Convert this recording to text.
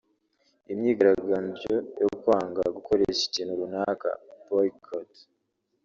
Imyigarambyo yo kwanga gukoresha ikintu runaka (Boycott)